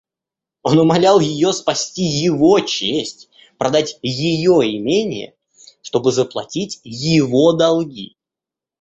Он умолял ее спасти его честь, продать ее имение, чтобы заплатить его долги.